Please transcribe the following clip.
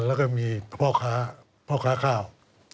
แล้วก็มีพ่อค้าข้าว